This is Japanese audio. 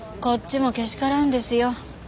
こっちもけしからんですよ。